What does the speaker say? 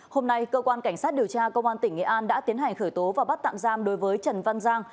hôm nay cơ quan cảnh sát điều tra công an tỉnh nghệ an đã tiến hành khởi tố và bắt tạm giam đối với trần văn giang